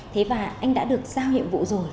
thế và anh đã được giao nhiệm vụ rồi